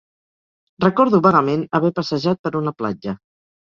Recordo vagament haver passejat per una platja.